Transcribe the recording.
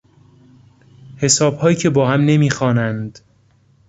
حسابهایی که باهم نمیخوانند